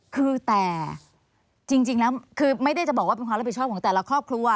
คือแต่จริงแล้วคือไม่ได้จะบอกว่าเป็นความรับผิดชอบของแต่ละครอบครัว